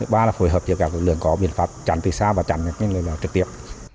ba là phù hợp với các lực lượng có biện pháp tránh từ xa và tránh người trực tiếp